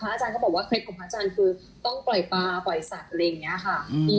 อาจารย์ก็บอกว่าเคล็ดของพระอาจารย์คือต้องปล่อยปลาปล่อยสัตว์อะไรอย่างนี้ค่ะ